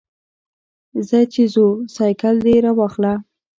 ځه چې ځو، سایکل دې راواخله.